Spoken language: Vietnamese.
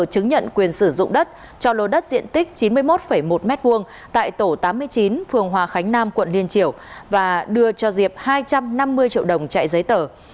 chứng nhận quyền sử dụng đất cho lô đất diện tích chín mươi một một m hai tại tổ tám mươi chín phường hòa khánh nam quận liên triều và đưa cho diệp hai trăm năm mươi triệu đồng chạy giấy tờ